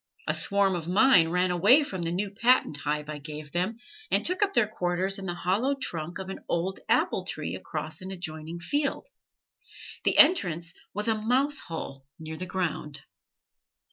A swarm of mine ran away from the new patent hive I gave them, and took up their quarters in the hollow trunk of an old apple tree across an adjoining field. The entrance was a mouse hole near the ground.